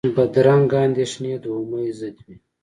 بدرنګه اندېښنې د امید ضد وي